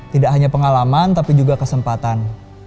tidak hanya pengalaman tapi juga kesempatan